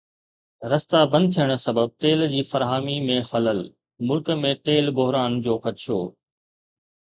رستا بند ٿيڻ سبب تيل جي فراهمي ۾ خلل، ملڪ ۾ تيل بحران جو خدشو